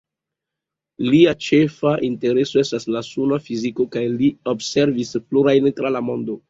Lia ĉefa intereso estas la suna fiziko kaj li observis plurajn tra la mondo.